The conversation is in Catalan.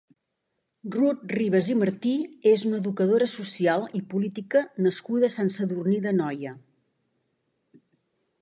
Rut Ribas i Martí és una educadora social i política nascuda a Sant Sadurní d'Anoia.